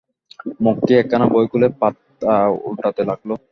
মক্ষী একখানা বই খুলে পাতা ওল্টাতে লাগল।